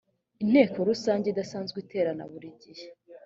inteko rusange idasanzwe iterana buri gihe